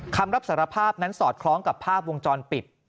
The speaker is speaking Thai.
คำรับสารภาพนั้นสอดคล้องกับภาพวงจรปิด